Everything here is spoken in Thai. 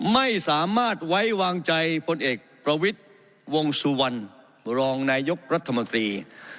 ไม่สามารถไว้วางใจพลเอกประวิทย์วงสุวรรณรองนายกรัฐมนตรี